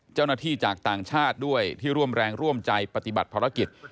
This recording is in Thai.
จากต่างชาติด้วยที่ร่วมแรงร่วมใจปฏิบัติภารกิจ